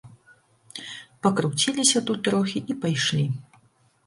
Пакруціліся тут трохі і пайшлі.